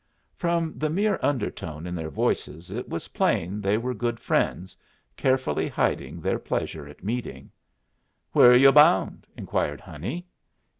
From the mere undertone in their voices it was plain they were good friends, carefully hiding their pleasure at meeting. "Wher're yu' bound?" inquired Honey.